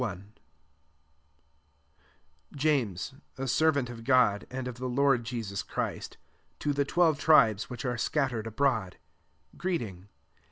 1 JAMES, a servant of God pd of the Lord Jesus Christ, p the twelve tribes which are mattered abroad, greeting.